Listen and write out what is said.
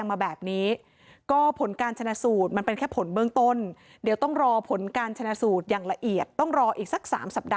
วันนี้เขาไม่เห็นมาเลยครับ